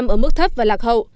một mươi bốn ở mức thấp và lạc hậu